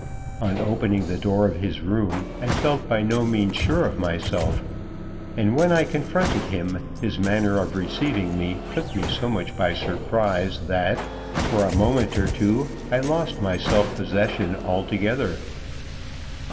On opening the door of his room, I felt by no means sure of myself; and when I confronted him, his manner of receiving me took me so much by surprise that, for a moment or two, I lost my self possession altogether.